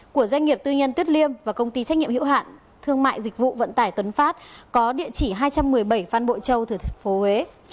của doanh nghiệp tư nhân tuyết liêm và công ty trách nhiệm hiệu hạn thương mại dịch vụ vận tải tuấn phát có địa chỉ hai trăm một mươi bảy phan bội châu tp huế